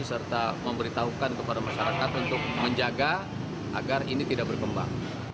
serta memberitahukan kepada masyarakat untuk menjaga agar ini tidak berkembang